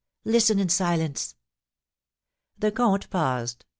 Listen in silence." The comte paused.